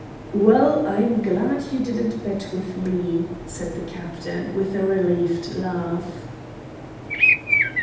"Well, I'm glad you didn't bet with me," said the captain, with a relieved laugh.